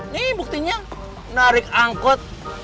nih buktinya narik angkot